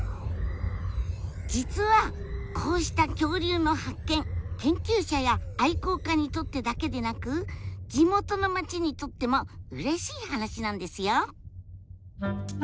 実はこうした恐竜の発見研究者や愛好家にとってだけでなく地元の町にとってもうれしい話なんですよ。